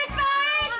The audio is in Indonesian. udah udah udah